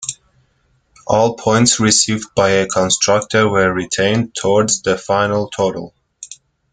All points received by a constructor were retained towards the final total.